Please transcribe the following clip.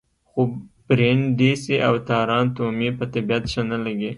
خو برېنډېسي او تارانتو مې په طبیعت ښه نه لګي.